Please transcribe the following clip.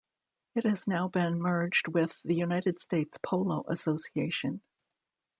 It has now been merged with the United States Polo Association.